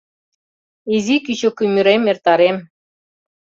Изи кӱчык ӱмырем эртарем.